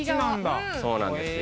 そうなんですよ。